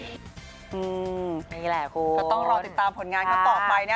ก็ต้องรอติดตามผลงานก็ต่อไปนะ